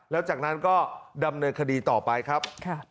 แล้วจากนั้นก็ดำเนินคดีต่อไปครับ